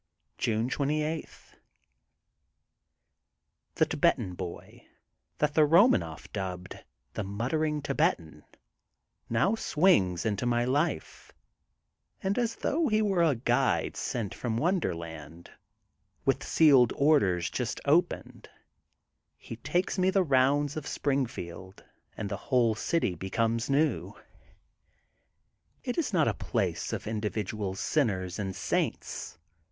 214 THE GOLDEN BOOK OF SPRINGFIELD June 28: — ThiB Thibetan Boy, that the Bomanoff dubbed the Muttering Thibetan, now swings into my life, and as though he were a guide sent from wonderland, with sealed orders just opened, he takes me the rounds of Springfield and the whole city be comes new. It is not a place of individual sin ners and saints.